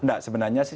nggak sebenarnya sih